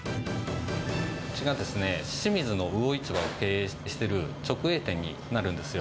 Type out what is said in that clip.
うちが清水の魚市場を経営している直営店になるんですよ。